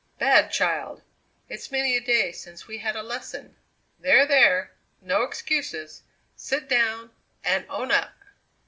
Bad child! It's many a day since we had a lesson. There! there! no excuses. Sit down and own up!"